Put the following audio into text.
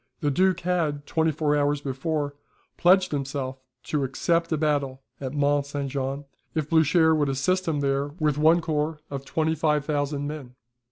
The Duke had, twenty four hours before, pledged himself to accept a battle at Mont St. Jean if Blucher would assist him there with one corps, of 25,000 men.